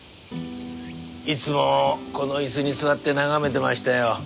いつもこの椅子に座って眺めてましたよ。